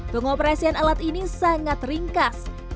pengoperasian alat ini sangat ringkas